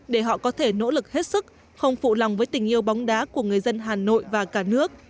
để họ có thể nỗ lực hết sức không phụ lòng với tình yêu bóng đá của người dân hà nội và cả nước